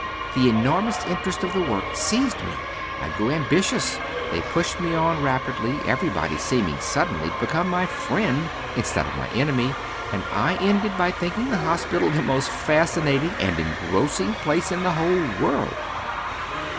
The enormous interest of the work seized me I grew ambitious they pushed me on rapidly everybody seemed suddenly to become my friend instead of my enemy and I ended by thinking the hospital the most fascinating and engrossing place in the whole world."